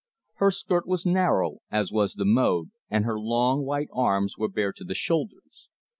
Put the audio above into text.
Her skirt was narrow, as was the mode, and her long white arms were bare to the shoulders.